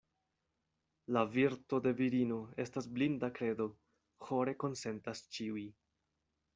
La virto de virino estas blinda kredo, ĥore konsentas ĉiuj.